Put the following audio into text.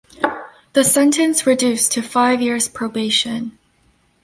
The sentence reduced to five years probation.